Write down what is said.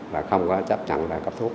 là không có chấp nhận là có thuốc